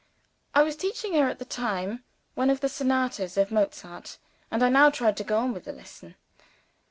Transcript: I was teaching her, at the time, one of the Sonatas of Mozart; and I now tried to go on with the lesson.